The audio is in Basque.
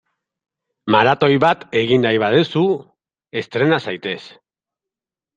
Maratoi bat egin nahi baduzu, entrena zaitez!